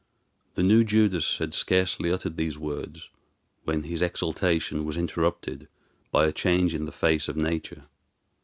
The new Judas had scarcely uttered these words when his exultation was interrupted by a change in the face of nature.